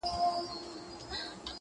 • او نورو په درجه ورته قایل دي -